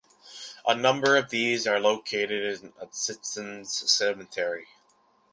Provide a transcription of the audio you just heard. A number of these are located in Assistens Cemetery.